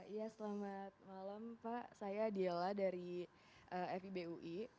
iya selamat malam pak saya diela dari fib ui